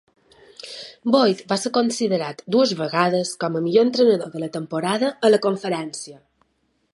Boyd va ser considerat dues vegades com a Millor entrenador de la temporada a la conferència.